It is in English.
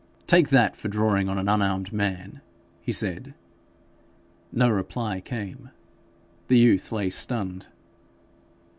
'Take that for drawing on an unarmed man,' he said. No reply came. The youth lay stunned.